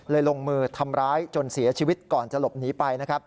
ลงมือทำร้ายจนเสียชีวิตก่อนจะหลบหนีไปนะครับ